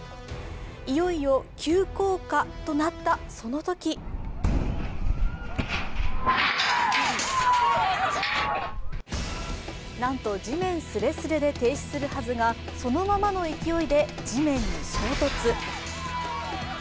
いよいよ急降下となったそのときなんと地面すれすれで停止するはずがそのままの勢いで地面に衝突。